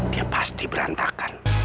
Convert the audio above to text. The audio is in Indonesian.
dia pasti berantakan